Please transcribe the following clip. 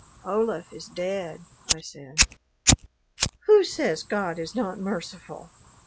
"Olaf is dead," I said. "Who says God is not merciful?